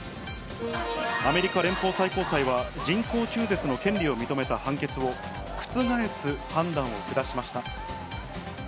アメリカ連邦最高裁は、人工中絶の権利を認めた判決を、覆す判断を下しました。